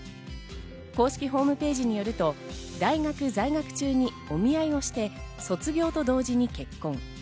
公式ホームページによると、大学在学中にお見合いをして卒業と同時に結婚。